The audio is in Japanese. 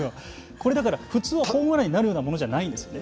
これだから普通はホームランになるようなものじゃないんですよね？